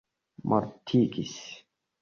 mortigis